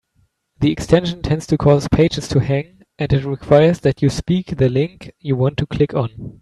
The extension tends to cause pages to hang, and it requires that you speak the link you want to click on.